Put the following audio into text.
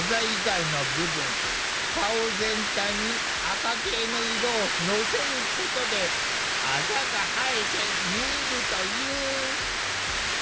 顔全体に赤系の色をのせることであざが映えて見えるという。